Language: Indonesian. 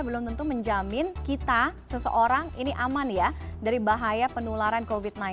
belum tentu menjamin kita seseorang ini aman ya dari bahaya penularan covid sembilan belas